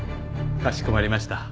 かしこまりました。